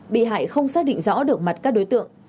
bị hại không xác định rõ được mặt các đối tượng